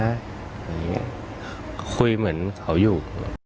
นี่คุยเหมือนเขาอยู่